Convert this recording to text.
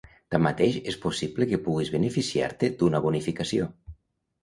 tanmateix és possible que puguis beneficiar-te d'una bonificació